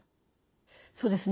そうですね。